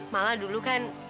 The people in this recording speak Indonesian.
malah dulu kan